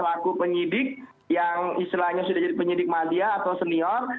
selaku penyidik yang istilahnya sudah jadi penyidik madia atau senior